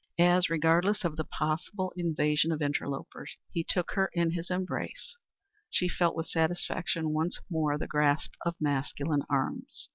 As, regardless of the possible invasion of interlopers, he took her in his embrace, she felt with satisfaction once more the grasp of masculine arms.